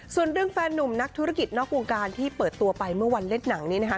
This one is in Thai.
ส่วนเรื่องแฟนนุ่มนักธุรกิจนอกวงการที่เปิดตัวไปเมื่อวันเล่นหนังนี้นะคะ